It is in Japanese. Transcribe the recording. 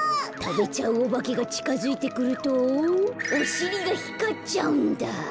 たべちゃうおばけがちかづいてくるとおしりがひかっちゃうんだ。